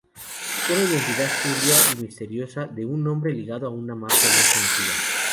Una identidad turbia y misteriosa de un hombre ligado a una mafia muy conocida.